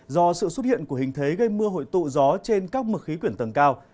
do sự xuất hiện của hình thế gây mưa hội tụ gió trên các mực khí quyển tầng cao